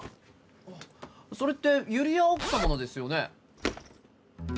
あっそれってユリア奥様のですよね？